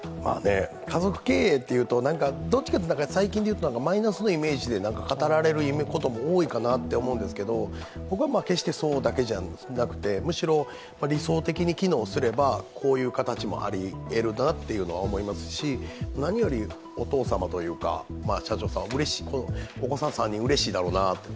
家族経営っていうとどっちかっていうと最近はマイナスのイメージで語られることも多いですけど僕は決してそうだけじゃなくてむしろ理想的に機能すればこういう形もあり得るなっていうのは思いますし、何よりお父様というか社長さんはうれしい、お子さん３人もうれしいだろうな。